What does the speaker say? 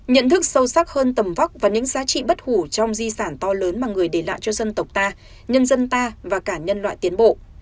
nhận thức sâu sắc hơn tầm vóc và những giá trị bất hủ trong di sản to lớn mà người để lại cho dân tộc ta nhân dân ta và cả nhân loại tiến bộ